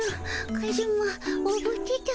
カズマおぶってたも。